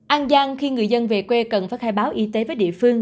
an giang khi người dân về quê cần phải khai báo y tế với địa phương